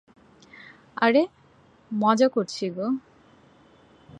আরে, মজা করছি গো।